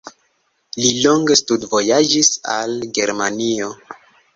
Li longe studvojaĝis al Germanio.